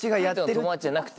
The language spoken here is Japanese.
海人の友達じゃなくて。